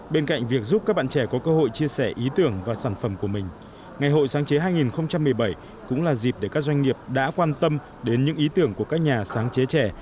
bên cạnh việc giúp các bạn trẻ có cơ hội chia sẻ ý tưởng và sản phẩm của mình ngày hội sáng chế hai nghìn một mươi bảy cũng là dịp để các doanh nghiệp đã quan tâm đến những ý tưởng của các nhà sáng chế trẻ